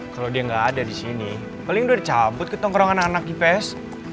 kalo dia nggak ada di sini paling udah cabut ke tongkrong anak anak ips